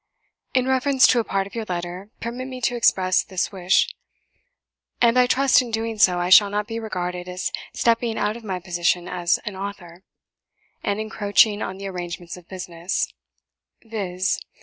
In reference to a part of your letter, permit me to express this wish, and I trust in doing so, I shall not be regarded as stepping out of my position as an author, and encroaching on the arrangements of business, viz.